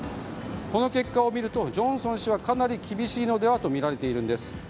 この結果を見るとジョンソン氏はかなり厳しいのではとみられているんです。